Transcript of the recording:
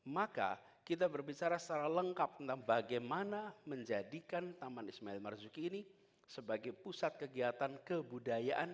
maka kita berbicara secara lengkap tentang bagaimana menjadikan taman ismail marzuki ini sebagai pusat kegiatan kebudayaan